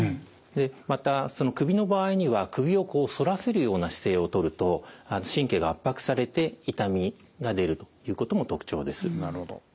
でまたその首の場合には首をこう反らせるような姿勢をとると神経が圧迫されて痛みが出るということも特徴です。